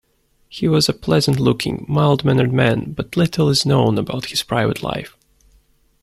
He was a pleasant-looking, mild-mannered man, but little is known about his private life.